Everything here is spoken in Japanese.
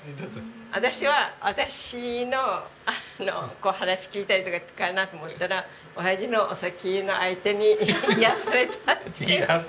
私は私の話聞いたりとかかなと思ったらオヤジのお酒の相手に癒やされたって。